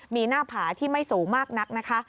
มีหน้าผาที่ไม่สูงมากนักนะคะ